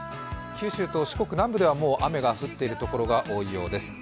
九州と四国南部ではもう雨が降ってるところが多いようです。